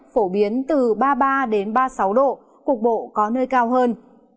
phổ biến từ ba mươi ba ba mươi sáu độ cục bộ có nơi cao hơn